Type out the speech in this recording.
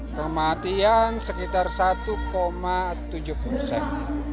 kematian sekitar satu tujuh persen